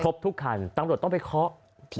ทุกคันตำรวจต้องไปเคาะ